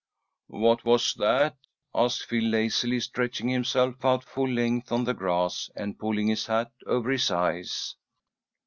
"What was that?" asked Phil, lazily, stretching himself out full length on the grass, and pulling his hat over his eyes.